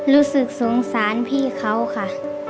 รู้สึกสงสารพี่เขาค่ะ